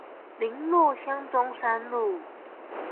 麟洛鄉中山路